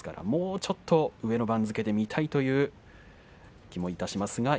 もう少し上の番付で見たいという気もいたします。